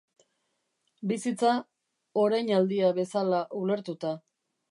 Bizitza, orainaldia bezala ulertuta.